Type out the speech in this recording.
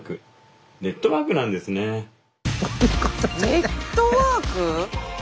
ネットワーク？